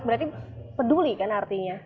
berarti peduli kan artinya